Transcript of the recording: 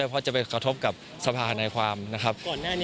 เพราะจะไปกระทบกับสภาธนายความนะครับ